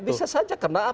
ya bisa saja karena apa